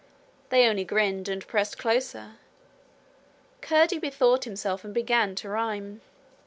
They only grinned and pressed closer. Curdie bethought himself and began to rhyme.